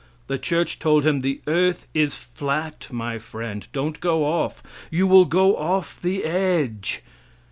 The church told him: "The earth is flat, my friend; don't go off. You will go off the edge."